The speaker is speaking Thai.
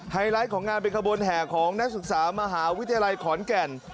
ไลท์ของงานเป็นขบวนแห่ของนักศึกษามหาวิทยาลัยขอนแก่น